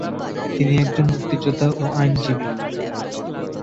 তিনি একজন মুক্তিযোদ্ধা ও আইননজীবী।